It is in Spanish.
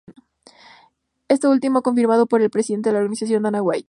Esto último fue confirmado por el presidente de la organización, Dana White.